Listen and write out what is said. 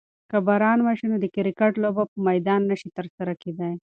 که باران وشي نو د کرکټ لوبه په میدان کې نشي ترسره کیدی.